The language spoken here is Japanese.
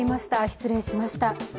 失礼しました。